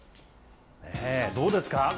どうですか？